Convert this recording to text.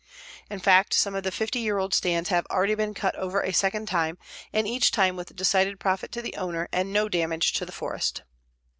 In fact, some of the 50 year old stands have already been cut over a second time, and each time with decided profit to the owner and no damage to the forest.